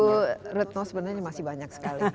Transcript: bu retno sebenarnya masih banyak sekali